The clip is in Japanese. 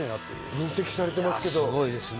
分析されてますけど。